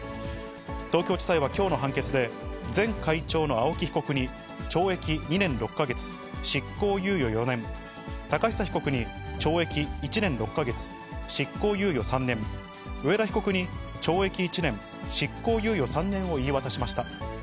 東京地裁はきょうの判決で、前会長の青木被告に懲役２年６か月執行猶予４年、寶久被告に懲役１年６か月執行猶予３年、上田被告に懲役１年、執行猶予３年を言い渡しました。